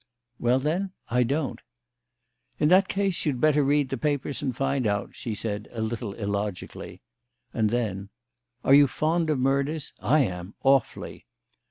"Well, then, I don't." "In that case you'd better read the papers and find out," she said, a little illogically. And then: "Are you fond of murders? I am, awfully."